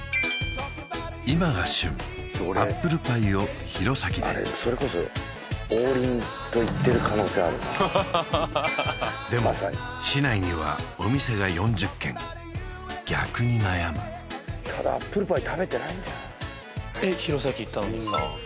今が旬アップルパイを弘前で王林と行ってる可能性あるなでも市内にはお店が４０軒逆に悩むただアップルパイ食べてないんじゃないの弘前行ったのにですか？